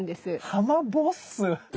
ハマボッス？